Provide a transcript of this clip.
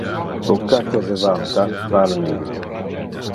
Bucca que se vanta, vale nihil.